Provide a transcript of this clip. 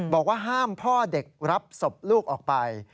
บอกว่าห้ามพ่อเด็กรับศพลูกออกไป